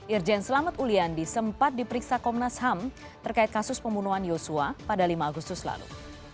irjen selamat uliandi sempat diperiksa komnas ham terkait kasus pembunuhan yosua pada lima agustus lalu